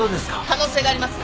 可能性があります。